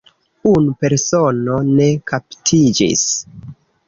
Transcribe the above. Unu persono ne kaptiĝis.